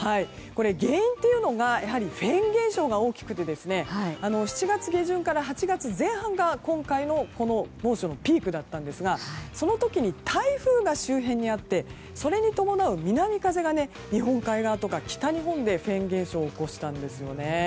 原因というのがやはりフェーン現象が大きくて７月下旬から８月前半が今回の猛暑のピークだったんですがその時に台風が周辺にあってそれに伴う南風が日本海側とか北日本でフェーン現象を起こしたんですよね。